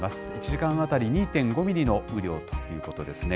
１時間当たり２．５ミリの雨量ということですね。